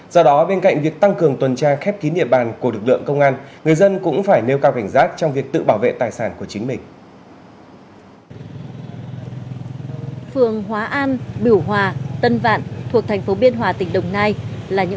do đó bên cạnh việc tăng cường tuần tra khép kín địa bàn của lực lượng công an người dân cũng phải nêu cao cảnh giác trong việc tự bảo vệ tài sản của chính mình